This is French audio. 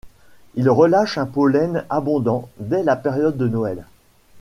Il relâche un pollen abondant dès la période de Noël.